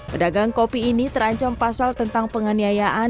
pedagang kopi ini terancam pasal tentang penganiayaan